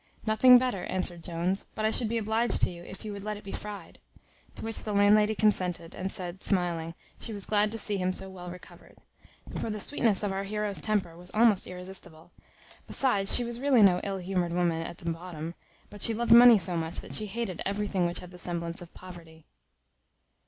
"Nothing better," answered Jones; "but I should be obliged to you, if you would let it be fried." To which the landlady consented, and said, smiling, "she was glad to see him so well recovered;" for the sweetness of our heroe's temper was almost irresistible; besides, she was really no ill humoured woman at the bottom; but she loved money so much, that she hated everything which had the semblance of poverty.